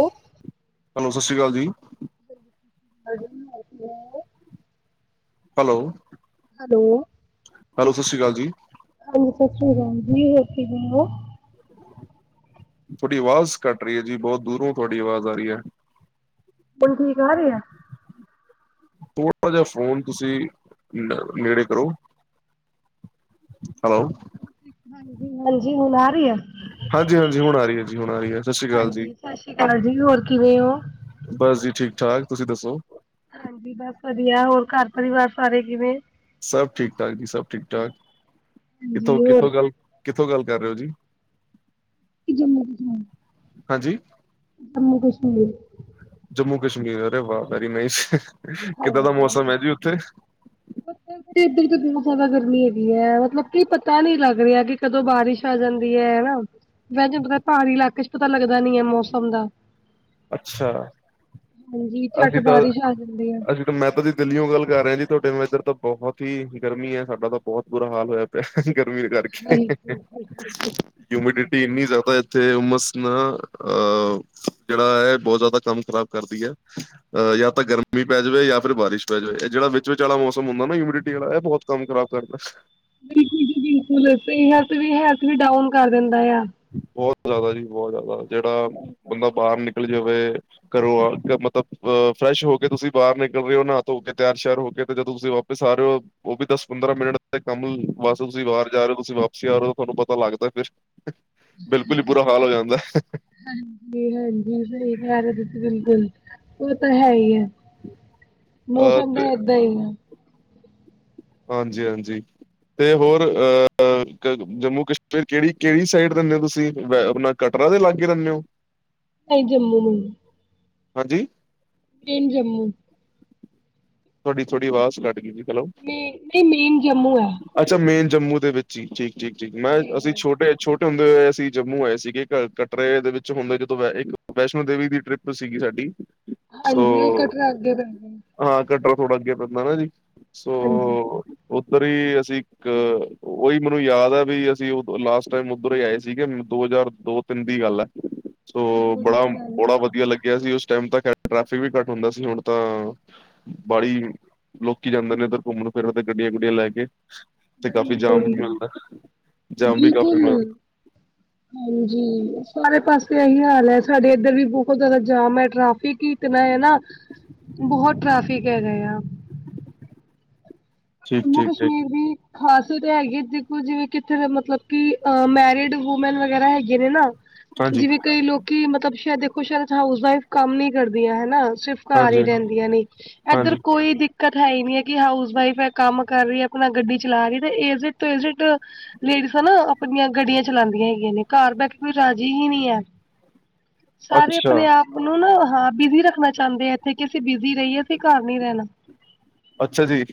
ਓ hello ਸਸ੍ਰੀ ਕਾਲ ਜੀ ਅਜ [unintelligible] ਹੈਲੋ ਹੈਲੋ ਹੈਲੋ ਸਸ਼੍ਰੀ ਕਾਲ ਜੀ ਹਾਂਜੀ ਸਤਿ ਸ੍ਰੀ ਅਕਾਲ ਜੀ [unintelligible] ਤੁਹਾਡੀ ਆਵਾਜ਼ ਕਟ ਰਹੀ ਐ ਜੀ ਬਹੁਤ ਦੂਰੋਂ ਤੁਹਾਡੀ ਆਵਾਜ਼ ਆ ਰਹੀ ਐ ਹੁਣ ਠੀਕ ਆ ਰੇ ਐ ਥੋੜ੍ਹਾ [unintelligible] ਜਿਹਾ ਫੋਨ ਤੁਸੀਂ ਨੇੜੇ ਕਰੋ ਹੈਲੋ ਹਾਂਜੀ ਹੁਣ ਆ ਰਹੀ ਐ ਹਾਂਜੀ ਹਾਂਜੀ ਹੁਣ ਆ ਰਹੀ ਹੈ ਜੀ ਹੁਣ ਆ ਰਹੀ ਹੈ ਸਤਿ ਸ਼੍ਰੀ ਅਕਾਲ ਜੀ ਹਾਂਜੀ ਸ਼ਸ਼ੀ ਕਾਲ ਜੀ ਹੋਰ ਕਿਵੇਂ ਓ ਬਸ ਜੀ ਠੀਕ ਠਾਕ ਤੁਸੀਂ ਦੱਸੋ ਹਾਂਜੀ ਬਸ ਵਧੀਆ ਹੋਰ ਘਰ ਪਰਿਵਾਰ ਸਾਰੇ ਕਿਵੇਂ ਸਭ ਠੀਕ ਠਾਕ ਜੀ ਸਭ ਠੀਕ ਠਾਕ ਕਿੱਥੋਂ ਹਾਂਜੀ ਹੋਰ ਕਿੱਥੋਂ ਗੱਲ ਕਿੱਥੋਂ ਗੱਲ ਕਰ ਰਹੇ ਓ ਜੀ ਕਿ [unintelligible] ਜੰਮੂ ਕਸ਼ਮੀਰ ਹਾਂਜੀ ਜੰਮੂ ਕਸ਼ਮੀਰ ਜੰਮੂ ਕਸ਼ਮੀਰ ਅਰੇ ਵਾਹ ਵੈਰੀ ਨਾਇਸ [unintelligible] [inaudible] ਤੇ ਇੱਧਰ ਤੇ ਬਹੁਤ ਜ਼ਿਆਦਾ ਗਰਮੀ ਹੈਗੀ ਹੈ ਮਤਲਬ ਕੀ ਪਤਾ ਨੀ ਲੱਗ ਰਿਹਾ ਕਿ ਕਦੋਂ ਬਾਰਿਸ਼ ਆ ਜਾਂਦੀ ਐ ਹਨਾ ਵੈਜੇ ਮਬ [unintelligible] ਪਹਾੜੀ ਇਲਾਕੇ ਚ ਪਤਾ ਲੱਗਦਾ ਨੀ ਐ ਮੌਸਮ ਦਾ ਅੱਛਾ ਹਾਂਜੀ ਝੱਟ ਅਸੀਂ ਤਾਂ ਬਾਰਿਸ਼ ਆ ਜਾਂਦੀ ਆ। ਅਸੀਂ ਮੈਂ ਤਾਂ ਜੀ ਦਿੱਲੀਓ ਗੱਲ ਕਰ ਰਿਹਾ ਜੀ ਤੁਹਾਡੇ ਵੈਦਰ ਤਾਂ ਬਹੁਤ ਹੀ ਗਰਮੀ ਐ ਸਾਡਾ ਤਾਂ ਬਹੁਤ ਬੁਰਾ ਹਾਲ ਹੋਇਆ ਗਰਮੀ ਕਰਕੇ ਹਾਂਜੀ ਹਿਊਮੀਡਿਟੀ ਬਿਲਕੁਲ, ਇੰਨੀ ਜ਼ਿਆਦਾ ਐ ਤੇ ਉਮਸ ਨਾ ਅਹ ਜਿਹੜਾ ਐ ਬਹੁਤ ਜ਼ਿਆਦਾ ਕੰਮ ਖ਼ਰਾਬ ਕਰਦੀ ਐ ਅਹ ਯਾ ਤਾਂ ਗਰਮੀ ਪੈ ਜਾਵੇ ਯਾ ਫਿਰ ਬਾਰਸ਼ ਪੈ ਜਾਵੇ ਜਿਹੜਾ ਵਿਚ ਵਿਚ ਵਾਲਾ ਮੌਸਮ ਹੁੰਦਾ ਨਾ ਹਿਮਿਡਿਟੀ ਵਾਲਾ ਐਹ ਬਹੁਤ ਕਮ ਖਰਾਬ ਕਰਦਾ ਬਿਲਕੁਲ ਜੀ ਬਿਲਕੁਲ ਸਹੀ ਹੈਲਥ ਹੈਲਥ ਵੀ ਡਾਊਨ ਕਰ ਦਿੰਦਾ ਆ ਬਹੁਤ ਜ਼ਿਆਦਾ ਜੀ ਬਹੁਤ ਜ਼ਿਆਦਾ ਜਿਹੜਾ ਬੰਦਾ ਬਾਹਰ ਨਿਕਲ ਜਾਵੇ ਕਰੋ ਮਤਲਬ ਅਹ ਫਰੈਸ਼ ਹੋ ਕੇ ਤੁਸੀਂ ਬਾਹਰ ਨਿਕਲ ਰਹੇ ਹੋ ਨਹਾ ਤਹੋ ਕੇ ਤਿਆਰ ਸ਼ਿਆਰ ਹੋ ਕੇ ਤੇ ਜਦੋਂ ਤੁਸੀਂ ਓ ਪਸਾਰੋ [unintelligible] ਉਹ ਵੀ ਦਸ ਪੰਦਰਾਂ ਮਿੰਟ ਦੇ ਕੰਮ ਵਾਸ ਤੁਸੀਂ ਬਾਹਰ ਜਾ ਰਹੇ ਓ ਤੁਸੀਂ ਵਾਪਸੀ ਆ ਰਹੇ ਓ ਤੁਹਾਨੂੰ ਪਤਾ ਲੱਗਦਾ ਕਿਸ਼ ਬਿਲਕੁਲ ਈ ਬੁਰਾ ਹਾਲ ਹੋ ਜਾਂਦੈ ਹਾਂਜੀ ਹਾਂਜੀ ਸਹੀ ਕਹਿ ਰਹੇ ਔ ਤੁਸੀ ਬਿਲਕੁਲ ਉਹ ਤਾਂ ਹੈ ਹੀ ਐ [inaudible] ਮੌਸਮ ਦਾ ਤੇ ਏਦਾਂ ਹੀ ਅ ਹਾਂਜੀ ਹਾਂਜੀ ਤੇ ਹੋਰ ਅਹ ਅਹ ਜੰਮੂ ਕਸ਼ਮੀਰ ਕਿਹੜੀ ਕਿਹੜੀ ਸਾਈਡ ਰਹਿੰਨੇ ਓ ਤੁਸੀਂ [unintelligible] ਕਟਰਾ ਦੇ ਲਾਗੇ ਰਹਿੰਨੇ ਹੋ? ਨਹੀਂ ਜੰਮੂ ਨੂੰ, ਹਾਂਜੀ? ਟੇਨ ਜੰਮੂ। ਤੁਹਾਡੀ ਥੋੜੀ ਆਵਾਜ਼ ਕੱਟ ਗਈ ਜੀ। ਹੈਲੋ ਮੇ ਨਹੀਂ ਮੇਨ ਜੰਮੂ ਐ। ਅੱਛਾ ਮੇਨ ਜੰਮੂ ਦੇ ਵਿੱਚ ਹੀ ਠੀਕ-ਠੀਕ, ਠੀਕ ਮੈਂ ਜੀ ਅਸੀਂ ਜੀ ਜੀ। ਛੋਟੇ-ਛੋਟੇ, ਇਕ ਹੁੰਦੇ ਏ ਅਸੀਂ ਜੰਮੂ ਹੋ ਆਏ ਸੀਗੇ ਕਟਰੇ ਦੇ ਵਿੱਚ ਹੁੰਦੇ ਜਦੋਂ ਇਕ ਵੈਸ਼ਨੋ ਦੇਵੀ ਦੀ ਟ੍ਰਿਪ ਸੀਗੀ ਸਾਡੀ। ਸੋ ਹਾਂਜੀ ਉਹ ਕਟਰਾ ਅੱਗੇ ਜ ਹਾਂ ਕਟਰਾ ਥੋੜਾ ਅੱਗੇ ਪੈਂਦਾ ਨਾ ਜੀ ਸੋ ਹਾਂਜੀ ਉੱਧਰ ਹੀ ਅਸੀਂ ਇਕ ਉਹੀ ਮੈਨੂੰ ਯਾਦ ਹੈ ਵੀ ਅਸੀਂ ਲਾਸਟ ਟਾਈਮ ਉੱਧਰ ਹੀ ਆਏ ਸੀਗੇ ਦੋ ਹਜ਼ਾਰ ਦੋ- ਤਿੰਨ ਦੀ ਗੱਲ ਹੈ। ਸੋ ਬੜੀ ਬੜਾ- ਪੁਰਾਣੀ ਬੜਾ ਸੀ, ਵਧੀਆ ਲੱਗਿਆ ਸੀ ਉਸ ਟਾਈਮ ਤਾਂ ਟ੍ਰੈਫਿਕ ਵੀ ਘੱਟ ਹੁੰਦਾ ਸੀ, ਹੁਣ ਤਾਂ ਬੜੀ ਲੋਕੀ ਜਾਂਦੇ ਨੇ ਇੱਧਰ ਘੁੰਮਣ ਫਿਰਨ ਤੇ ਗੱਡੀਆਂ- ਗੁੱਡੀਆਂ ਲੈ ਕੇ। ਤੇ ਬੜੀ ਕਾਫੀ ਜਾਮ ਬੜੀ ਵੀ ਮਿਲਦਾ ਜਾਮ ਵੀ ਕਾਫੀ ਬਿਲਕੁਲ ਮਿਲ- ਹਾਂਜੀ ਸਾਰੇ ਪਾਸੇ ਇਹੀ ਹਾਲ ਹੈ ਸਾਡੇ ਇੱਧਰ ਵੀ ਬਹੋਤ ਜ਼ਿਆਦਾ ਜਾਮ ਹੈ ਟ੍ਰਫਿਕ ਹੀ। ਇਤਨਾ ਹੈ ਨਾ, ਬਹੋਤ ਟ੍ਰੈਫਿਕ ਹੈਗਾ ਆ। ਠੀਕ ਜੰਮੂ ਠੀਕ ਠੀਕ ਕਸ਼ਮੀਰ ਦੀ ਖ਼ਾਸੀਅਤ ਹੈਗੀ ਦੇਖੋ ਜਿਵੇਂ ਕਿੱਥੇ ਮਤਲਬ ਕਿ ਅ ਮੈਰਿਡ ਵੂਮੈਨ ਵਗੈਰਾ ਹੈਗੇ ਨੇ ਨਾ ਹਾਂਜੀ ਜਿਵੇਂ, ਕਈ ਲੋਕੀ ਮਤਲਬ ਸ਼ਾਇਦ ਦੇਖੋ ਸ਼ਾਇਦ ਹਾਊਸ ਵਾਈਫ ਕੰਮ ਨੀ ਕਰਦੀਆਂ ਹਨਾ ਸਿਰਫ, ਕਾਰ ਹੀ ਹਾਂਜੀ ਰਹਿੰਦੀਆਂ ਨੇ, ਹਾਂਜੀ ਏਧਰ ਕੋਈ ਦਿੱਕਤ ਹੈ ਹੀ ਨੀ ਹੈ ਕਿ ਹਾਊਸ ਵਾਈਫ ਹ- ਕੰਮ ਕਰ ਰਹੀ ਹੈ ਆਪਣਾ ਗੱਡੀ ਚਲਾ ਰਹੀ ਤੇ ਇਜਿਟ ਤੋਂ ਇਜਿਟ, ਲੇਡੀਜ਼ਨਾ ਆਪਣੀਆਂ ਗੱਡੀਆਂ ਚਲਾਉਂਦੀਆਂ ਹੈਗੀਆਂ ਨੇ, ਘਰ ਬੈ ਕੇ ਕੋਈ ਰਾਜੀ ਹੀ ਨਹੀਂ ਆ। ਸਾਰੇ ਅੱਛਾ ਆਪਣੇ ਆਪ, ਨੂੰ ਨਾ ਹਾਂ ਬਿਜ਼ੀ ਰੱਖਣਾ ਚਾਹੁੰਦੇ ਆ ਇੱਥੇ ਕਿ ਅਸੀਂ ਬਿਜ਼ੀ ਰਹੀਏ ਅਸੀਂ ਘਰ ਨੀ ਰਹਿਣਾ। ਅੱਛਾ ਜੀ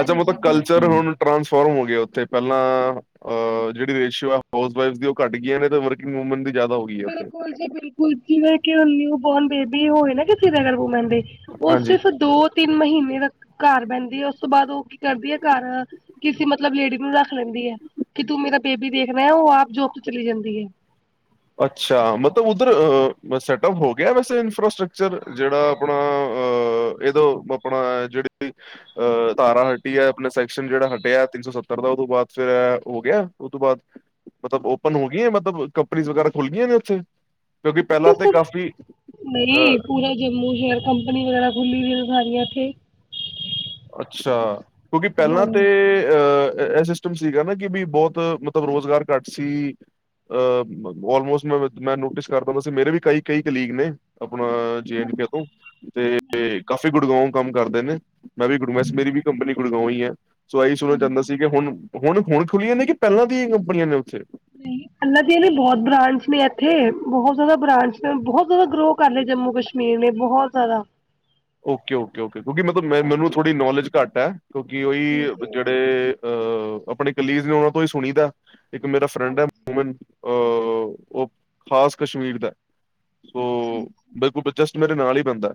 ਅੱਛਾ ਮਤਲਬ ਕਲਚਰ ਬਿਲਕੁਲ ਹੁਣ ਟਰਾਂਸਫੋਰਮ ਹੋ ਗਿਆ ਉੱਥੇ ਪਹਿਲਾਂ, ਅਹ ਜਿਹੜੀ ਰੇਸ਼ੀਓ ਆ ਹਾਊਸ ਵਾਈਫ ਦੀ ਉਹ ਘੱਟ ਗਈਆਂ ਨੇ ਤੇ ਵਰਕਿੰਗ ਵੂਮੈਨ ਦੀ ਜ਼ਿਆਦਾ ਹੋ- ਗਈ ਹੈ ਉੱਥੇ ਬਿਲਕੁਲ ਜੀ ਬਿਲਕੁਲ ਜਿਵੇਂ ਕਿ ਹੁਣ ਨਿਊ ਬੋਰਨ ਬੇਬੀ ਹੋਈ ਨਾ ਕਿਸੀ ਦੇ ਘਰ ਵੂਮੈਨ ਦੇ, ਉਹ ਹਾਂਜੀ ਸਿਰਫ ਦੋ- ਤਿੰਨ ਮਹੀਨੇ ਤਕ ਘਰ ਬਹਿੰਦੀ ਹੈ ਉਸ ਤੋਂ ਬਾਅਦ ਉਹ ਕੀ ਕਰਦੀ ਹੈ ਘਰ, ਕਿਸੇ ਮਤਲਬ ਲੇਡੀਸ ਨੂੰ ਰੱਖ ਲੈਂਦੀ ਹੈ ਕਿ ਤੂੰ, ਮੇਰਾ ਬੇਬੀ ਦੇਖਣਾ ਹੈ ਉਹ ਆਪ ਜੋਬ ਤੇ ਚਲੀ ਜਾਂਦੀ ਐ। ਅੱਛਾ ਮਤਲਬ ਉੱਧਰ ਸੈਟਅਪ ਹੋ ਗਿਆ ਵੈਸੇ ਇਨਫਰਾਸਟਕਚਰ ਜਿਹੜਾ ਆਪਣਾ, ਅਹ ਇਹਦੋ ਆਪਣਾ ਜਿਹੜੀ- ਅ ਧਾਰਾ ਹਟੀ ਹੈ ਆਪਣਾ ਸੈਕਸ਼ਨ ਜਿਹੜਾ ਹਟਿਆ ਤਿੰਨ ਸੌ ਸੱਤਰ ਦਾ ਉਹ ਤੋਂ ਬਾਅਦ ਫੇਰ ਹੋ ਗਿਆ ਉਹ ਤੋਂ ਬਾਅਦ- ਮਤਲਬ ਓਪਨ ਹੋ ਗਈਆਂ ਮਤਲਬ ਕੰਪਨੀ ਵਗੈਰਾ ਖੁੱਲ ਗਈਆਂ ਨੇ ਉੱਥੇ ਕਿਉਂਕਿ ਪਹਿਲਾਂ ਤੇ ਬਿਲਕੁਲ ਕਾਫੀ ਅ ਨਹੀਂ ਪੂਰਾ ਜੰਮੂ ਸ਼ੇਅਰ ਕੰਪਨੀ ਵਗੈਰਾ ਖੁੱਲੀ ਵੀ ਏ ਸਾਰੀਆਂ ਇੱਥੇ। ਅੱਛਾ ਕਿਉਂਕਿ ਪਹਿਲਾਂ ਤੇ ਹਾਂਜੀ ਅਹ, ਸੀਸ- ਟਮ ਸੀਗਾ ਨਾ ਕਿ ਵੀ ਬੋਤ ਮਤਲਬ ਰੁਜ਼ਗਾਰ ਘੱਟ ਸੀ। ਅ ਆਲਮੋਸਟ ਮੈਂ- ਮੈਂ ਨੋਟਿਸ ਕਰ ਦ ਹੁੰਦਾ ਸੀ ਮੇਰੇ ਵੀ ਕਈ- ਕਈ ਕਲੀਗ ਨੇ ਆਪਣਾ- ਜ ਐਂਡ ਤੋਂ, ਤੇ ਕਾਫੀ ਗੁੜਗਾਓ ਕੰਮ ਕਰਦੇ ਨੇ। ਮੈਂ ਵੀ ਗੁੜ ਵੈਸ ਮੇਰੀ ਵੀ ਕੰਪਨੀ ਗੁੜਕਾਉਈ ਈ ਹੈ ਸੋ ਇਹੀ ਸੁਣਣਾ ਚਾਹੁੰਦਾ ਸੀ ਕਿ ਹੁਣ, ਹੁਣ ਹੁਣ ਖੁੱਲੀਆਂ ਨੇ ਕਿ, ਪਹਿਲਾਂ ਦੀ ਈ ਕੰਪਨੀਆਂ ਨੇ ਉੱਥੇ? ਲਗੇ ਵੀ ਬਹੋਤ ਬ੍ਰਾਂਚ ਨੇ ਇੱਥੇ ਬਹੋਤ ਜ਼ਿਆਦਾ ਬ੍ਰਾਂਚ ਨੇ ਬਹੋਤ ਜ਼ਿਆਦਾ ਗਰੋ ਕਰ ਲਏ ਜੰਮੂ ਕਸ਼ਮੀਰ ਨੀ ਐਹਨੇ ਬਹੋਤ ਜ਼ਿਆਦਾ। ਓਕੇ- ਓਕੇ, ਓਕੇ ਕਿਉਂਕਿ ਮਤਲਬ ਮੈਨੂੰ ਥੋੜੀ ਨੌਲੇਜ ਘੱਟ ਹੈ ਕਿਉਂਕਿ ਉਹੀ ਜੀ ਜੀ ਜਿਹੜੇ ਅਹ ਆਪਣੇ ਕਲੀਜ ਨੇ ਉਹਨਾਂ ਤੋਂ ਈ ਸੁਣੀ ਦੈ। ਇੱਕ ਮੇਰਾ ਫਰੈਂਡ ਐ ਮਨ ਅ ਉਹ ਖਾਸ ਕਸ਼ਮੀਰ ਦੈ। ਸੋ ਬਿਲਕੁਲ ਜਸਟ ਮੇਰੇ ਨਾਲ ਈ ਪੈਦੈ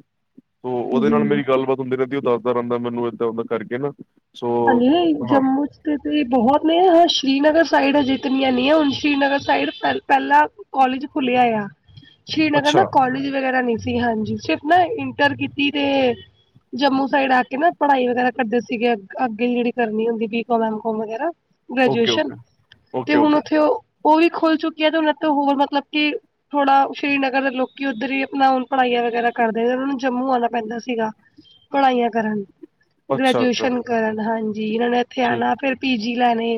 ਸੋ ਉਹਦੇ ਨਾਲ ਹਾਂਜੀ ਮੇਰੀ ਗੱਲਬਾਤ ਹੁੰਦੀ ਰਹਿੰਦੀ ਐ। ਉਹ ਦੱਸਦਾ ਰਹਿੰਦਾ ਮੈਨੂੰ ਏਦਾਂ ਦਾਂ ਕਰਕੇ ਨਾ। ਸੋ ਹਾਜੀ। ਹਾਂ ਜੰਮੂ ਚ ਤੇ ਬਹੁਤ ਨੇ। ਹਾਂ ਸ਼੍ਰੀਨਗਰ ਸਾਈਡ ਅਜੇ ਇਤਨੀਆਂ ਨਈ ਐ। ਹੁਣ ਸ਼੍ਰੀਨਗਰ ਸਾਈਡ ਪ ਪਹਿਲਾਂ ਕੋਲਜ ਖੁੱਲਿਆ ਆ। ਸ਼੍ਰੀਨਗਰ ਨਾ ਅੱਛਾ ਕੋਲਜ ਵਗੈਰਾ ਨਈ ਹਾਂਜੀ। ਸਿਰਫ ਨਾ ਇੰਟਰ ਕੀਤੀ ਤੇ ਜੰਮੂ ਸਾਈਡ ਆ ਕੇ ਨਾ ਪੜ੍ਹਾਈ ਵਗੈਰਾ ਕਰਦੇ ਸੀਗੇ ਅਗੇ ਜੜੀ ਕਰਨੀ ਹੁੰਦੀ ਬੀ-ਕਾਮ, ਐਮ-ਕਾਮ ਵਗੈਰਾ ਓਕੇ ਗ੍ਰੈਜੂਏਸ਼ਨ ਓਕੇ ਤੇ ਓਕੇ ਹੁਣ ਓਕੇ ਓਥੇ ਓ ਉਹ ਵੀ ਖੁੱਲ ਚੁੱਕੀ ਐ ਤੇ ਉਹਨਾਂ ਤੋਂ ਹੋਰ ਮਤਲਬ ਕਿ ਥੋੜ੍ਹਾ ਸ਼੍ਰੀਨਗਰ ਦੇ ਲੋਕੀ ਉੱਧਰ ਹੀ ਆਪਣਾ ਹੁਣ ਪੜ੍ਹਾਈਆਂ ਵਗੈਰਾ ਕਰਦੇ। ਉਹਨਾਂ ਨੂੰ ਜੰਮੂ ਆਉਣਾ ਪੈਂਦਾ ਸੀਗਾ। ਪੜਾਈਆਂ ਕਰਨ। ਅੱਛਾ ਅੱਛਾ ਗ੍ਰੈਜੂਏਸ਼ਨ ਕਰਨ। ਹਾਂਜੀ ਇਹਨਾਂ ਨੇ ਇਥੇ ਜੀ ਆਣਾ, ਫਿਰ ਪੀਜੀ ਲੈਣੇ।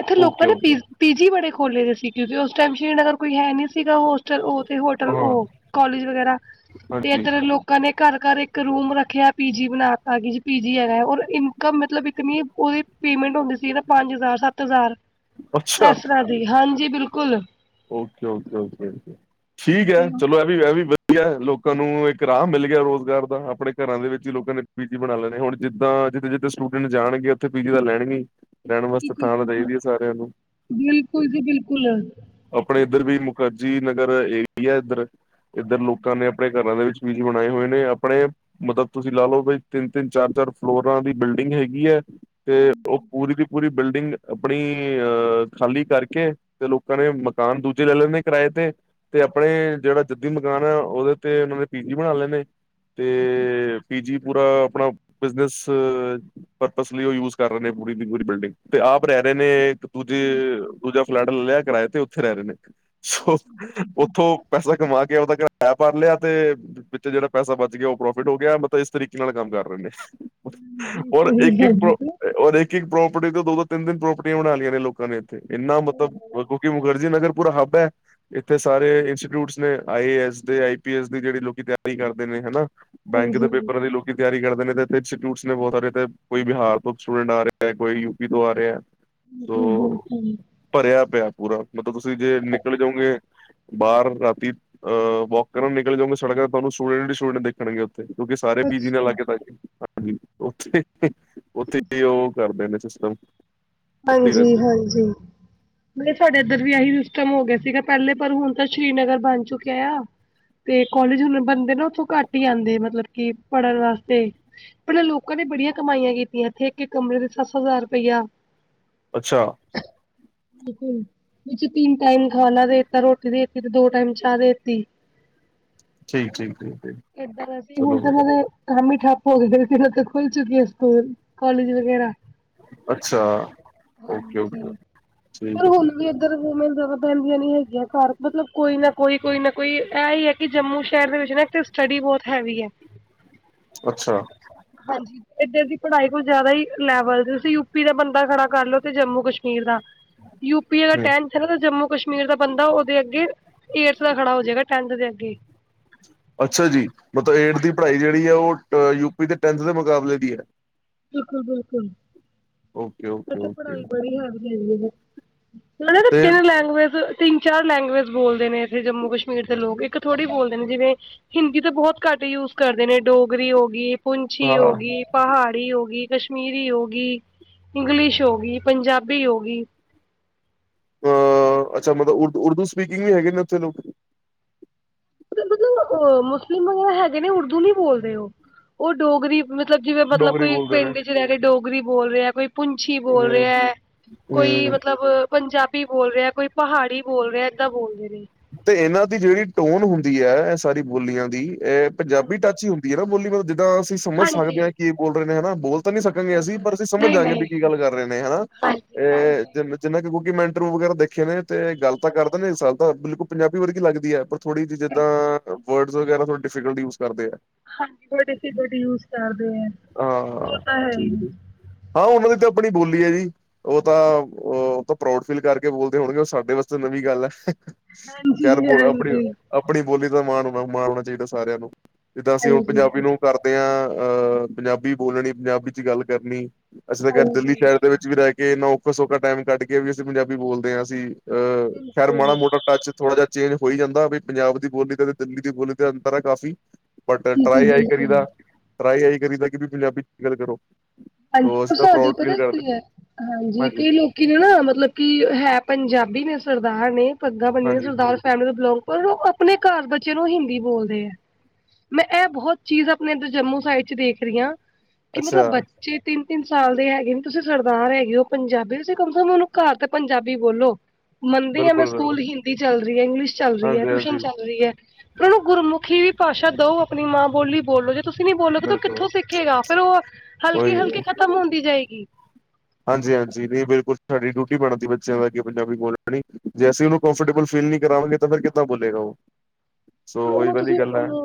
ਇੱਥੇ ਓਕੇ ਲੋਕਾਂ ਨੇ ਓਕੇ ਪੀ-ਪੀਜੀ ਬੜੇ ਖੋਲੇ ਨੇ ਸੀ ਟੀ ਯੂ ਦੇ, ਉਸ ਟਾਈਮ ਸ੍ਰੀ ਨਗਰ ਕੋਈ ਹੈ ਨੀ ਸੀਗਾ ਹੋਸ ਚ ਉਹ ਤੇ ਹੋਟਲ ਹਾਂ ਉਹ ਕਾਲਜ ਵਗੈਰਾ ਤੇ ਹਾਂਜੀ ਇੱਧਰ ਲੋਕਾਂ ਨੇ ਘਰ-ਘਰ ਇੱਕ ਰੂਮ ਰੱਖਿਐ, ਪੀਜੀ ਬਣਾ ਤਾ ਕਿ ਪੀਜੀ ਹੈਗੈ ਔਰ ਇਨਕਮ ਮਤਲਬ ਇੱਕ ਉਹਦੀ ਪੇਮੈਂਟ ਹੁੰਦੀ ਸੀ ਨਾ ਪੰਜ ਹਜ਼ਾਰ-ਸੱਤ ਹਜ਼ਾਰ। ਅੱਛਾ ਇਸ ਤਰ੍ਹਾਂ ਹਾਂਜੀ ਬਿਲਕੁਲ। ਓਕੇ-ਓਕੇ। ਓਕੇ-ਓਕੇ। ਠੀਕ ਐ ਚਲੋ ਇਹ ਵੀ ਵਧੀਆ ਲੋਕਾਂ ਨੂੰ ਇੱਕ ਰਾਹ ਮਿਲ ਗਿਆ ਰੁਜ਼ਗਾਰ ਦਾ। ਆਪਣੇ ਘਰਾਂ ਦੇ ਵਿੱਚ ਈ ਲੋਕਾਂ ਨੇ ਪੀਜੀ ਬਣਾ ਲੈਣੇ। ਹੁਣ ਜਿੱਦਾਂ ਜਿੱਥੇ-ਜਿੱਥੇ ਸਟੂਡੈਂਟ ਜਾਣਗੇ, ਉੱਥੇ ਪੀਜੀ ਤਾਂ ਲੈਣਗੇ ਈ। ਰਹਿਣ ਵਾਸਤੇ ਥਾਂ‌ ਤਾ ਬਿਲਕੁਲ ਚਾਹੀਦੀ ਐ ਸਾਰਿਆਂ ਨੂੰ। ਬਿਲਕੁਲ ਜੀ ਬਿਲਕੁਲ। ਆਪਣੇ ਇੱਧਰ ਵੀ ਮੁਖਰਜੀ ਨਗਰ ਏਰੀਆ ਇੱਧਰ ਇੱਧਰ ਲੋਕਾਂ ਨੇ ਆਪਣੇ ਘਰਾਂ ਦੇ ਵਿੱਚ ਪੀਜ਼ੀ ਬਣਾਏ ਹੋਏ ਨੇ। ਆਪਣੇ ਮਤਲਬ ਤੁਸੀਂ ਲਾ ਲਓ ਤਿੰਨ-ਤਿੰਨ, ਚਾਰ-ਚਾਰ ਫਲੋਰਾਂ ਦੀ ਬਿਲਡਿੰਗ ਹੈਗੀ ਹੈ। ਤੇ ਉਹ ਪੂਰੀ ਦੀ ਪੂਰੀ ਬਿਲਡਿੰਗ ਆਪਣੀ ਅ ਖਾਲੀ ਕਰਕੇ ਤੇ ਲੋਕਾਂ ਨੇ ਮਕਾਨ ਦੂਜੇ ਲੈ ਲੈਂਦੇ ਕਿਰਾਏ ਤੇ ਤੇ ਆਪਣੇ ਜਿਹੜਾ ਜੱਦੀ ਮਕਾਨ ਆ ਉਹਦੇ ਤੇ ਉਹਨਾਂ ਨੇ ਪੀਜੀ ਬਣਾ ਲੈਣੇ ਤੇ ਪੀਜੀ ਪੂਰਾ ਆਪਣਾ ਬਿਜਨਸ ਪਰਪਸ ਲਈ ਉਹ ਯੂਜ ਕਰ ਰਹੇ ਨੇ ਪੂਰੀ ਦੀ ਪੂਰੀ ਬਿਲਡਿੰਗ ਤੇ ਆਪ ਰਹਿ ਰਹੇ ਨੇ ਦੂਜੇ ਦੂਜਾ ਫਲੈਟ ਲੈ ਲਿਆ ਕਿਰਾਏ ਤੇ ਉੱਥੇ ਰਹਿ ਰਹੇ ਨੇ। ਸੋ ਉੱਥੋਂ ਪੈਸਾ ਕਮਾ ਕੇ ਉਹਦਾ ਕਿਰਾਇਆ ਭਰ ਲਿਆ ਤੇ ਵਿੱਚ ਜਿਹੜਾ ਪੈਸਾ ਬਚ ਗਿਆ ਉਹ ਪ੍ਰੋਫਿਟ ਹੋ ਗਿਆ। ਮਤਲਬ ਇਸ ਤਰੀਕੇ ਨਾਲ ਕੰਮ ਕਰ ਰਹੇ ਨੇ। ਜੀ ਔਰ ਸਹੀ ਇੱਕ-ਇੱਕ ਗੱਲ ਪ੍ਰੋ ਹੈ ਔਰ ਇੱਕ-ਇੱਕ ਪ੍ਰੋਪਰਟੀ ਤੋਂ ਦੋ-ਦੋ, ਤਿੰਨ-ਤਿੰਨ ਪ੍ਰੋਪਰਟੀਆਂ ਬਣਾ ਲਈਆਂ ਨੇ ਲੋਕਾਂ ਨੇ ਇੱਥੇ ਇੰਨਾ ਮਤਲਬ ਕਿਉਂਕਿ ਮੁਖਰਜੀ ਨਗਰ ਪੂਰਾ ਹੱਬ ਐ। ਇੱਥੇ ਸਾਰੇ ਇੰਸਟੀਟਿਊਟਸ ਨੇ ਆਈ ਐਸ ਦੇ, ਆਈ ਪੀ ਐਸ ਦੀ ਜਿਹੜੀ ਲੋਕ ਤਿਆਰੀ ਕਰਦੇ ਨੇ ਹਨਾ। ਬੈਂਕ ਦੇ ਪੇਪਰਾਂ ਲਈ ਲੋਕ ਤਿਆਰੀ ਕਰਦੇ ਨੇ ਤੇ ਇੇ ਇੰਸਿਊਟਸ ਨੇ ਬਹੁਤ ਸਾਰੇ ਇ ਕੋਈ ਬਿਹਾਰ ਤੋਂ ਸਟੂਡੈਂਟ ਆ ਰਿਹਾ ਐ। ਕੋਈ ਯੂਪੀ ਤੋਂ ਆ ਰਿਹਾ ਐ। ਸੋ ਭਰਿਆ ਪਿਆ ਪੂਰਾ। ਮਤਲਬ ਤੁਸੀਂ ਜੇ ਨਿਕਲ ਜਾਓਗੇ। ਬਾਹਰ ਰਾਤੀ ਅਹ ਵੋਕ ਕਰਨ ਨਿਕਲ ਜੋਗੇ ਸੜਕ ਦਾ ਤੁਹਾਨੂੰ ਸਟੂਡੈਂਟ ਸਟੂਡੈਂਟ ਦੇਖਣਗੇ ਓਥੇ। ਕਿਉਂਕਿ ਸਾਰੇ ਪੀ ਜੀ ਨਾਲ ਲਾਗੇ, ਹਾਂਜੀ ਉੱਥੇ ਉੱਥੇ ਉਹ ਕਰਦੇ ਨੇ ਸਿਸਟਮ। ਉੱਥੇ ਹੀ ਰਹਿੰਦੇ ਨੇ ਹਾਂਜੀ-ਹਾਂਜੀ। ਮਤਬ ਸਾਡੇ ਇੱਧਰ ਵੀ ਇਹੀ ਸਿਸਟਮ ਹੋ ਗਿਆ ਸੀਗਾ ਪਹਿਲੇ ਪਰ ਹੁਣ ਤਾਂ ਸ੍ਰੀਨਗਰ ਬਣ ਚੁੱਕਿਆ ਆ। ਤੇ ਕੋਲਜ ਹੁਣ ਬੰਦੇ ਨਾ ਉੱਥੋਂ ਘੱਟ ਹੀ ਆਂਦੇ ਮਤਲਬ ਕਿ ਪੜ੍ਹਨ ਵਾਸਤੇ। ਪਹਿਲਾਂ ਲੋਕਾਂ ਨੇ ਬੜੀਆਂ ਕਮਾਈਆਂ ਕੀਤੀਆਂ ਇੱਥੇ ਇੱਕ-ਇੱਕ ਕਮਰੇ ਦੇ ਸੱਤ-ਸੱਤ ਹਜ਼ਾਰ ਰੁਪਇਆ ਅੱਛਾ। ਬਿਲਕੁਲ। ਵਿੱਚ ਤਿੰਨ ਟਾਈਮ ਖਾਣਾ ਦੇਤਾ, ਰੋਟੀ ਦੇ ਦਿੱਤੀ ਤੇ ਦੋ ਟਾਈਮ ਚਾਹ ਦੇਤੀ। ਠੀਕ ਠੀਕ ਠੀਕ ਠੀਕ ਏਦਾਂ ਅਸੀਂ ਹੁਣ ਚਲੋ ਤਾਂ ਬਾਈ। ਇਹਨਾਂ ਦੇ ਕੰਮ ਹੀ ਠੱਪ ਹੋ ਖੁੱਲ ਚੁੱਕੀ ਹੈ ਸਕੂਲ, ਕਾਲਜ ਵਗੈਰਾ। ਅੱਛਾ। ਓਕੇ ਓਕੇ ਹਾਂਜੀ, ਪਰ ਠੀਕ ਹੈ ਹੁਣ ਠੀਕ ਵੀ ਜ਼ਿਆਦਾ ਪੈਂਦੀਆਂ ਨਹੀਂ ਹੈਗੀਆਂ ਘਰ ਮਤਲਬ ਕੋਈ ਨਾ ਕੋਈ ਕੋਈ ਨਾ ਕੋਈ ਐ ਈ ਐ ਕਿ ਜੰਮੂ ਸ਼ਹਿਰ ਦੇ ਵਿੱਚ ਨਾ ਤੇ ਸਟੱਡੀ ਬਹੁਤ ਹੈਵੀ ਐ। ਅੱਛਾ। ਹਾਂਜੀ ਏਧਰ ਦੀ ਪੜ੍ਹਾਈ ਕੁਝ ਜ਼ਿਆਦਾ ਹੀ ਲੈਵਲ ਤੁਸੀਂ ਯੂਪੀ ਦਾ ਬੰਦੇ ਦਾ ਖੜਾ ਕਰ ਲੋ ਤੇ ਜੰਮੂ ਕਸ਼ਮੀਰ ਦਾ ਯੂਪੀ ਅੱਗੇ ਹੂੰ ਟੈਨ ਜੰਮੂ ਕਸ਼ਮੀਰ ਦਾ ਬੰਦਾ ਉਹਦੇ ਅੱਗੇ, ਏਟਥ ਦਾ ਖੜਾ ਹੋ ਜਾਏਗਾ ਟੈਨਥ ਦੇ ਅੱਗੇ। ਅੱਛਾ ਜੀ, ਮਤਲਬ ਏਟ ਦੀ ਪੜ੍ਹਾਈ ਜਿਹੜੀ ਹੈ ਉਹ ਯੂਪੀ ਦੇ ਟੈਂਥ ਦੇ ਮੁਕਾਬਲੇ ਦੀ ਏ। ਬਿਲਕੁਲ-ਬਿਲਕੁਲ, ਓਕੇ ਓਕੇ ਇੱਥੇ ਪੜ੍ਹਾਈ ਓਕੇ ਬੜੀ ਹੈਵੀ ਏ। ਉਹ ਤੇ ਤਿੰਨ ਲੈਗਏਜ ਤਿੰਨ-ਚਾਰ ਲੈਂਗੁਏਜ ਬੋਲਦੇ ਨੇ ਇੱਥੇ ਜੰਮੂ ਕਸ਼ਮੀਰ ਦੇ ਲੋਕ ਇੱਕ ਥੋੜ੍ਹੀ ਬੋਲਦੇ ਨੇ ਜਿਵੇਂ ਹਿੰਦੀ ਤਾਂ ਬਹੁਤ ਘੱਟ ਯੂਜ ਕਰਦੇ ਨੇ ਡੋਗਰੀ ਹੋ ਗਈ, ਪੁੰਛੀ ਹੋ ਹਾਂ ਗਈ, ਪਹਾੜ ਡੀ ਹੋ ਗਈ, ਕਸ਼ਮੀਰੀ ਹੋ ਗਈ, ਇੰਗਲਿਸ਼ ਹੋ ਗਈ, ਪੰਜਾਬੀ ਹੋ ਗਈ। ਅਹ ਅੱਛਾ ਮਤਲਬ ਉਦੂ ਉਰਦੂ ਸਪੀਕਿੰਗ ਵੀ ਹੈਗੇ ਨੇ ਉੱਥੇ ਲੋਕ? ਮਤਲਬ ਮੁਸਲਿਮ ਵਗੈਰਾ ਹੈਗੇ ਨੇ ਉਰਦੂ ਨੀ ਬੋਲਦੇ ਉਹ, ਉਹ ਡੋਗਰੀ ਮਤਲਬ ਜਿਵੇਂ ਮਤਲਬ ਡੋਗਰੀ ਕੋਈ ਬੋਲਦੇ ਨੇ ਪਿੰਡ 'ਚ ਰਹਿ ਕੇ ਡੋਗਰੀ ਬੋਲ ਰਿਹਾ ਕੋਈ ਪੁੰਛੀ ਬੋਲ ਹੂੰ ਰਿਹਾ, ਕੋਈ ਹੂੰ ਮਤਲਬ ਮਤਲਬ ਪੰਜਾਬੀ ਬੋਲ ਰਿਹਾ, ਕੋਈ ਪਹਾੜੀ ਬੋਲ ਰਿਹਾ ਏਦਾਂ ਬੋਲਦੇ ਨੇ। ਤੇ ਇਹਨਾਂ ਦੀ ਜਿਹੜੀ ਟੋਨ ਹੁੰਦੀ ਐ ਇਹ ਸਾਰੀ ਬੋਲੀਆਂ ਦੀ ਇਹ ਪੰਜਾਬੀ ਟੱਚ ਹੀ ਹੁੰ ਹੁੰਦੀ ਆ ਬੋਲੀ ਮਲਬ ਜਿੱਦਾਂ ਅਸੀਂ ਸਮਝ ਸਕਦੇ ਆ ਕੀ ਬੋਲ ਰਹੇ ਨੇ ਹਨਾ ਬੋਲ ਤਾਂ ਨੀ ਸਕਾਂਗੇ ਅਸੀਂ ਪਰ ਅਸੀਂ ਸਮਝ ਜਾਗੇ ਵੀ ਕੀ ਗੱਲ ਕਰ ਰਹੇ ਨੇ ਹਨਾ। ਇਹ ਜਿਵੇਂ ਜਿੰਨਾ ਕਿਉਕਿ ਮੈਂ ਇੰਟਰਵਿਊ ਵਗੈਰਾ ਦੇਖੇ ਨੇ ਤੇ ਗੱਲ ਤਾਂ ਕਰਦੇ ਨੇ ਇਸ ਸੱਲ ਤਾਂ ਬਿਲਕੁਲ ਪੰਜਾਬੀ ਵਰਗੀ ਲੱਗਦੀ ਏ ਪਰ ਥੋੜ੍ਹੀ ਜੀ ਜਿੱਦਾਂ ਵਰਡਸ ਵਗੈਰਾ ਥੋੜ੍ਹੇ ਡਿਫੀਕਲ ਯੂਜ ਕਰਦੇ ਆ। ਹਾਂਜੀ ਬਹੁਤ ਡਿਫੀਕਲਟ ਯੂਜ ਕਰਦੇ ਆ, ਹਾਂ ਉਹ ਤਾਂ ਹੈ ਈ। ਠੀਕ ਠੀਕ ਹਾਂ ਉਹਨਾਂ ਦੀ ਤਾਂ ਆਪਣੀ ਬੋਲੀ ਐ ਜੀ। ਉਹ ਤਾਂ, ਉਹ ਤਾਂ ਪਰਾਉਡ ਫੀਲ ਕਰਕੇ ਬੋਲਦੇ ਹੋਣਗੇ ਉਹ ਸਾਡੇ ਵਾਸਤੇ ਨਵੀਂ ਗੱਲ ਐ। ਹਾਂਜੀ ਖਿਆਲ ਬੋਲ ਆਪਣੀ, ਹਾਂਜੀ ਆਪਣੀ ਬੋਲੀ ਦਾ ਮਾਣ ਮਾਣ ਹੋਣਾ ਚਾਹੀਦਾ ਸਾਰਿਆਂ ਨੂੰ। ਜਿੱਦਾਂ ਅਸੀਂ ਹੁਣ ਹਾਂਜੀ ਹਾਂਜੀ ਪੰਜਾਬੀ ਨੂੰ ਕਰਦੇ ਆ ਅਹ ਪੰਜਾਬੀ ਬੋਲਣੀ ਪੰਜਾਬੀ 'ਚ ਗੱਲ ਕਰਨੀ। ਅਸੀਂ ਤਾਂ ਖੈਰ ਦਿੱਲੀ ਬਿਲਕੁਲ ਸ਼ਹਿਰ ਦੇ ਵਿੱਚ ਵੀ ਰਹਿ ਕੇ ਇੰਨਾ ਔਖਾ-ਸੌਖਾ ਟਾਈਮ ਕੱਢ ਕੇ ਵੀ ਅਸੀਂ ਪੰਜਾਬੀ ਬੋਲਦੇ ਆ ਅਸੀਂ- ਅ, ਖੈਰ ਬਿਲਕੁਲ ਮਾੜਾ ਮੋ ਟੱਚ ਥੋੜਾ ਜਾ ਚੇਂਜ ਹੋਈ ਜਾਂਦਾ ਵੀ ਪੰਜਾਬ ਦੀ ਬੋਲੀ ਤੇ ਤੇ ਦਿੱਲੀ ਦੀ ਬੋਲੀ ਤੇ ਅੰਤਰ ਆ ਕਾਫੀ। ਬਟ ਟਰਾਈ ਆਈ ਬਿਲਕੁਲ। ਕਰੀਦਾ, ਟਰਾਈ ਆਈ ਕਰੀ ਦਾ ਕਿ ਤੁਸੀਂ ਪੰਜਾਬੀ 'ਚ ਗੱਲ ਕਰੋ। ਸੋ ਹਾਂਜੀ, ਅਸੀਂ ਤਾਂ ਸਾਡੇ ਪ੍ਰਾਊਡ ਫੀਲ ਪਤਾ ਕਰਦੇ ਕੀ ਏ, ਹਾਂਜੀ ਕਈ ਲੋਕ ਲੋਕੀ ਨੇ ਨਾ ਮਤਲਬ ਕਿ ਹੈ ਪੰਜਾਬੀ ਨੇ ਸਰਦਾਰ ਨੇ ਪੱਗਾਂ ਬੰਨਿਆ ਹਾਂਜੀ ਸਰਦਾਰ ਫੈਮਲੀ ਨੂੰ ਬਿਲੋਂਗ ਪਰ ਉਹ ਆਪਣੇ ਘਰ ਬੱਚਿਆਂ ਨੂੰ ਹਿੰਦੀ ਬੋਲਦੇ ਆ। ਮੈਂ ਐ ਬੋਹਤ ਚੀਜ਼ ਆਪਣੇ ਏਦਰ ਜੰਮੂ ਸਾਈਡ ਚ ਦੇਖ ਰਈ ਆਂ ਕਿ ਅੱਛਾ ਮਤਲਬ ਬੱਚੇ ਛੇ ਤਿੰਨ-ਤਿੰਨ ਸਾਲ ਦੇ ਹੈਗੇ ਨੇ ਤੁਸੀਂ ਸਰਦਾਰ ਹੈਗੇ ਓ ਪੰਜਾਬੀ ਤੁਸੀਂ ਕਮ ਸੇ ਕਮ ਓਨੂੰ ਘਰ ਤੇ ਪੰਜਾਬੀ ਬੋਲੋ। ਮੰਨਦੀ ਆਂ ਮੈਂ ਬਿਲਕੁਲ ਸਕੂਲ ਬਿਲਕੁਲ ਹਿੰਦੀ ਚੱਲ ਰੀ ਐ, ਇੰਗਲਿਸ਼ ਚੱਲ ਰੀ ਐ, ਹਾਂਜੀ ਟਿਊਸ਼ਨ ਹਾਂਜੀ ਚੱਲ ਰੀ ਐ। ਓਨਾਂ ਨੂੰ ਗੁਰਮੁਖੀ ਵੀ ਭਾਸ਼ਾ ਦਓ ਆਪਣੀ ਮਾਂ ਬੋਲੀ ਬੋਲੋ ਜੀ। ਤੁਸੀਂ ਨੀ ਬੋਲੋਗੇ ਤਾਂ ਓ ਬਿਲਕੁਲ ਕਿੱਥੋਂ ਸਿੱਖੇਗਾ ਫੇਰ ਓ ਹਲਕੀ-ਹਲਕੀ ਖ਼ਤਮ ਹੁੰਦੀ ਜਾਏਗੀ। ਹਾਂਜੀ ਹਾਂਜੀ-ਹਾਂਜੀ ਨਈ ਬਿਲਕੁਲ ਸਾਡੀ ਡਿਊਟੀ ਬਣਦੀ ਤ ਬੱਚਿਆਂ ਦਾ ਪੰਜਾਬੀ ਬੋਲਨੀ, ਜੇ ਅਸੀਂ ਓਨੂੰ ਕੌਂਫਰਟੇਬਲ ਫੀਲ ਨਈ ਕਰਵਾਂਗੇ। ਫੇਰ ਕਿੱਦਾਂ ਬੋਲੇਗਾ ਓ। ਓ ਤੁਸੀਂ ਓਨੂੰ,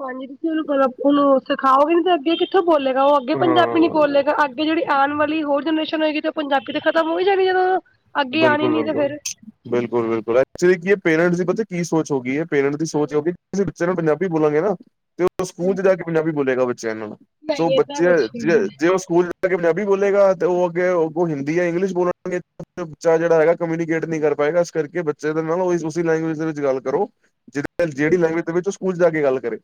ਹਾਂਜੀ ਤੁਸੀਂ ਓਨੂੰ ਗਲ ਓਨੂੰ ਸਿਖਾਓਗੇ ਨੀ ਤੇ ਅੱਗੇ ਕਿੱਥੋਂ ਬੋਲੇਗਾ। ਓ ਅੱਗੇ ਪੰਜਾਬੀ ਨੀ ਹਾਂ ਬੋਲੇਗਾ ਅੱਗੇ ਜੇੜੀ ਆਣ ਵਾਲੀ ਹੋਰ ਜਨਰੇਸ਼ਨ ਹੋਏਗੀ ਤੇ ਪੰਜਾਬੀ ਤੇ ਖ਼ਤਮ ਹੋਈ ਜਾਣੀ ਜਦੋਂ ਅੱਗੇ ਆਣੀ ਨੀ ਤੇ ਬਿਲਕੁਲ-ਬਿਲਕੁਲ, ਫੇਰ। ਬਿਲਕੁਲ-ਬਿਲਕੁਲ, ਐਕਚੁਲੀ ਕੀ ਐ ਪੇਰੈਂਟਸ ਦੀ ਪਤਾ ਕੀ ਸੋਚ ਹੋ ਗਈ ਐ ਪੇਰੈਂਟਸ ਦੀ ਸੋਚ ਹੋ ਗਈ। ਅਸੀਂ ਬੱਚੇ ਨੂੰ ਪੰਜਾਬੀ ਬੋਲਾਂਗੇ ਨਾ ਤੇ ਓ ਸਕੂਲ ਚ ਜਾ ਕੇ ਪੰਜਾਬੀ ਬੋਲੇਗਾ ਬੱਚਿਆਂ ਨਾਲ। ਸੋ ਬੱਚੇ ਜੇ ਜੇ ਓਸ ਸਕੂਲ ਜਾ ਕੇ ਪੰਜਾਬੀ ਬੋਲੇਗਾ, ਅਤੇ ਓ ਅੱਗੇ ਓ ਹਿੰਦੀ ਜਾਂ ਇੰਗਲਿਸ਼ ਬੋਲਨਗੇ। ਬੱਚਾ ਜੇੜਾ ਹੈਗਾ ਕਮਿਊਨੀਕੇਟ ਨਈ ਕਰ ਪਾਏਗਾ, ਇਸ ਕਰਕੇ ਬੱਚੇ ਦੇ ਨਾਲ ਓਸ ਲੈਂਗੁਏਜ ਦੇ ਵਿੱਚ ਗੱਲ ਕਰੋ। ਜੇ ਜੇੜੀ ਲੈਂਗੁਵੇਜ ਦੇ ਵਿੱਚ ਸਕੂਲ ਜਾ ਕੇ ਗੱਲ ਕਰੇ,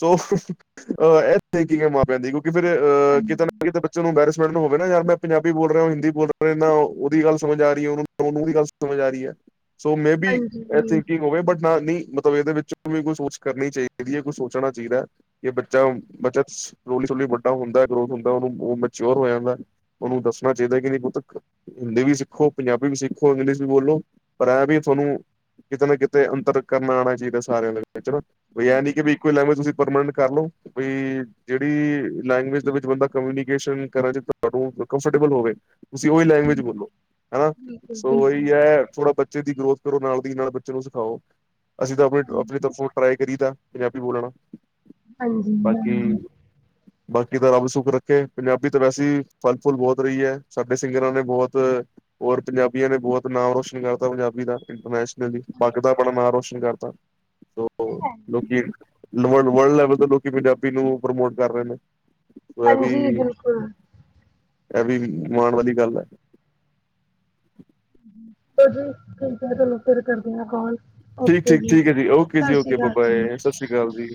ਸੋ ਅ ਏ ਥਿੰਕਿੰਗ ਐ ਮਾਂ ਪਿਓ ਦੀ ਕਿਉਂ ਫੇਰ ਅ ਕਿਤੇ ਨਾ ਕਿਤੇ ਬੱਚੇ ਨੂੰ ਅੰਬੈਰਸਮੈਂਟ ਨੂੰ ਹੋਵੇ ਨਾ ਯਾਰ ਮੈਂ ਪੰਜਾਬੀ ਬੋਲ ਰਿਆ ਹਿੰਦੀ ਬੋਲ ਰਿਆ। ਦੀ ਗੱਲ ਸਮਝ ਆ ਰੀ ਐ ਓਨੂੰ ਦੀ ਗੱਲ ਸਮਝ ਆ ਰੀ ਐ ਸੋ ਮੇ ਬੀ ਏ ਹਾਂਜੀ ਥਿੰਕਿੰਗ ਹੋਵੇ ਬਟ ਨਈ ਮਤਲਬ ਏਦੇ ਵਿੱਚੋਂ ਵੀ ਕੋਈ ਸੋਚ ਕਰਨੀ ਚਾਈਦੀ ਐ ਕੁਛ ਸੋਚਨਾ ਚਾਈਦੈ। ਕਿ ਬੱਚਾ, ਬੱਚਾਸ ਹੌਲੀ-ਹੌਲੀ ਵੱਡਾ ਹੁੰਦਾ ਗਰੋਥ ਹੁੰਦਾ ਓਨੂੰ ਓ ਮਚਿਓਰ ਹੋ ਜਾਂਦਾ ਓਨੂੰ ਦੱਸਣਾ ਚਾਈਦਾ ਕਿ ਨਈ ਪੁੱਤ। ਹਿੰਦੀ ਵੀ ਸਿੱਖੋ, ਪੰਜਾਬੀ ਵੀ ਸਿੱਖੋ, ਇੰਗਲਿਸ਼ ਵੀ ਬੋਲੋ ਪਰ ਐਂ ਵੀ ਥੋਨੂੰ ਕਿਤੇ ਨਾ ਕਿਤੇ ਅੰਤਰ ਕਰਨਾ ਆਣਾ ਚਾਈਦਾ ਸਾਰੇਆਂ ਨੂੰ ਦੇ ਵਿੱਚ ਹਨਾ ਐ ਨੀ ਕਿ ਵੀ ਇੱਕੋ ਈ ਲੈਂ ਤੁਸੀਂ ਪਰਮਾਨੈਂਟ ਕਰ ਲੋ ਬਈ ਜੇੜੀ ਲੈਂਗੁਅਜ ਦੇ ਵਿੱਚ ਬੰਦਾ ਕਮਿਊਨੀਕੇਸ਼ਨ ਕਰ ਚ ਤੁਆਨੂੰ ਕੰਫਰਟੇਬਲ ਹੋਵੇ ਤੁਸੀਂ ਓਈ ਲੈਂ ਹਾਜੀ, ਬੋਲੋ ਹੈਨਾ, ਸੋ ਓਹੀ ਐ ਥੋੜਾ ਬੱਚੇ ਦੀ ਗਰੋਥ ਕਰੋ ਨਾਲ ਦੀ ਨਾਲ ਬੱਚੇ ਨੂੰ ਸਿਖਾਓ। ਅਸੀਂ ਤਾਂ ਆਪਨੇ ਆਪਨੀ ਤਾ ਫੁੱਲ ਟਰਾਈ ਕਰੀ ਦਾ ਪੰਜਾਬੀ ਬੋਲਨਾ। ਬਾਕੀ ਬਾਕੀ ਤਾਂ ਰੱਬ ਸੁੱਖ ਰੱਖੇ, ਪੰਜਾਬੀ ਤਾਂ ਵੈਸੇ ਈ ਫਲ-ਫੁਲ ਬੋਤ ਰੀਆ, ਸਾਡੇ ਸਿੰਗਰਾਂ ਨੇ ਬੋਤ। ਤ ਹੋਰ ਪੰਜਾਬੀਆਂ ਨੇ ਬੋਤ ਨਾ ਰੋਸ਼ਨ ਕਰਤਾ ਪੰਜਾਬੀ ਦਾ ਇੰਟਰਨੈਸ਼ਨਲੀ ਪੱਗ ਦਾ ਆਪਨਾ ਨਾ ਰੋਸ਼ਨ ਕਰਤਾ। [unintelligible] ਲੋਕੀ ਵਰਲਡ ਲੈਵਲ ਤੋਂ ਲੋਕੀ ਪੰਜਾਬੀ ਨੂੰ ਪ੍ਰਮੋਟ ਕਰ ਰਏ ਨੇ। ਔਰ ਐ ਹਾਂਜੀ ਵੀ ਐ ਵੀ ਮਾਨ ਵਾਲੀ ਗੱਲ ਐ। [inaudible] ਠੀਕ ਆ ਜੀ, ਠੀਕਾ ਚਲੋ ਫੇਰ ਕਰਦੀ ਆ ਕੋਲ। ਠੀਕ-ਠੀਕ-ਠੀਕ ਐ ਜੀ, ਓਕੇ ਜੀ, ਓਕੇ, ਬ-ਬਾਏ, ਸਸ਼੍ਰੀ ਕਾਲ ਜੀ।